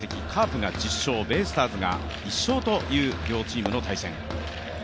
ここまで対戦成績、カープが１０勝、ベイスターズが１勝という両チームの対戦。